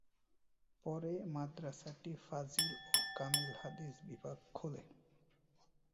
পরে মাদরাসাটি ফাযিল ও কামিল হাদীস বিভাগ খোলে।